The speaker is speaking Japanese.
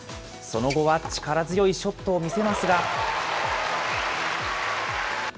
その後は力強いショットを見せますが。